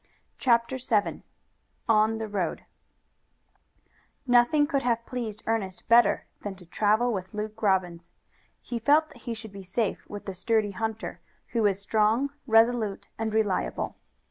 CHAPTER VII ON THE ROAD Nothing could have pleased Ernest better than to travel with Luke Robbins. He felt that he should be safe with the sturdy hunter, who was strong, resolute and reliable.